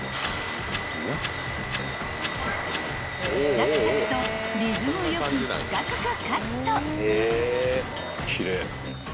［サクサクとリズムよく四角くカット］